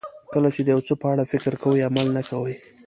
کله چې د یو څه په اړه فکر کوئ عمل نه کوئ.